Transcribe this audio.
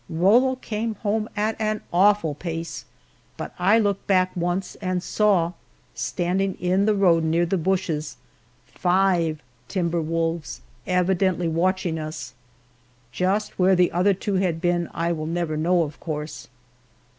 Rollo came home at an awful pace; but I looked back once and saw, standing in the road near the bushes, five timber wolves, evidently watching us. Just where the other two had been I will never know, of course.